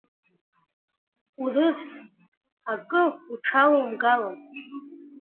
Урывс, акы уҽалоумгалан!